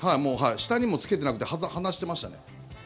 下にもつけてなくて離してましたね。